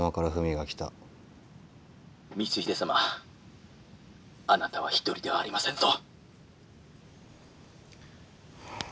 「光秀様あなたは一人ではありませんぞ」。